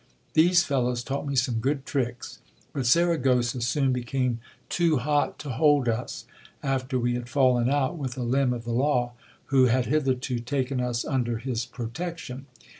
These fellows taught me some good tricks : but Saragossa soon be came too hot to hold us, after we had fallen out with a limb of the law, who had hitherto taken us under his protection.